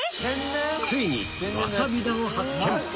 ついにわさび田を発見。